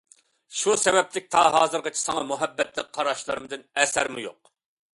شۇ سەۋەبلىك تا ھازىرغىچە ساڭا مۇھەببەتلىك قاراشلىرىمدىن ئەسەرمۇ يوق!